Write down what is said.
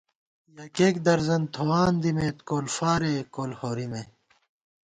یَکېک درزَن تھوان دِمېت کول فارےکول ہورِمے